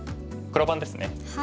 黒番ですね。